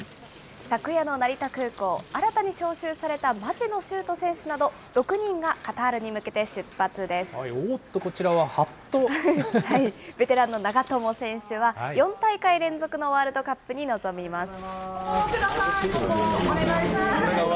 昨夜の成田空港、新たに招集された町野修斗選手など、おーっと、こちらは、ベテランの長友選手は、４大会連続のワールドカップに臨みます。